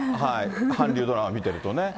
韓流ドラマ見てるとね。